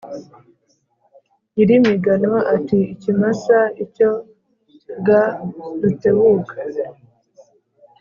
nyirimigano, ati "ikimasa icyo ga rutebuka